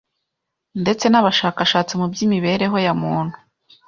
ndetse n’abashakashatsi mu by’imibereho ya muntu,